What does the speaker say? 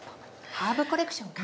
ハーブコレクションか。